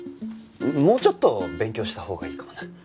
もうちょっと勉強したほうがいいかもな。